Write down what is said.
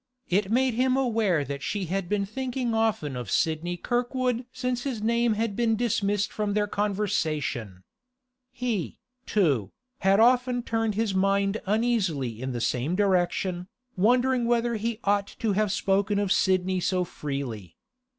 It made him aware that she had been thinking often of Sidney Kirkwood since his name had been dismissed from their conversation. He, too, had often turned his mind uneasily in the same direction, wondering whether he ought to have spoken of Sidney so freely.